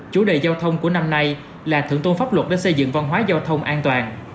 chủ đề giao thông của năm nay là thượng tôn pháp luật để xây dựng văn hóa giao thông an toàn